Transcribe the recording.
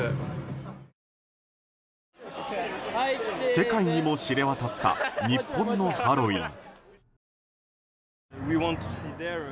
世界にも知れ渡った日本のハロウィーン。